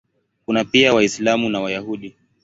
Kuna pia Waislamu na Wayahudi.